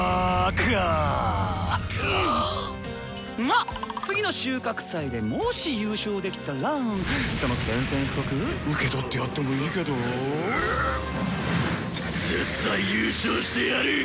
まっ次の収穫祭でもし優勝できたらその宣戦布告うけとってやってもいいけどぉ？絶対優勝してやる！